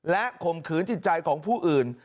และข่มขืนจิตใจของผู้อื่น